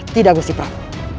tidak musti prap